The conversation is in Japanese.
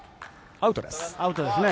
アウトですね。